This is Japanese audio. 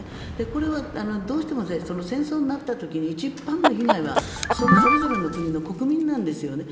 これはどうしても戦争になった時に一番の被害はそれぞれの国の国民なんですよね。